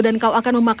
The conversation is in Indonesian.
dan kau akan memakan aku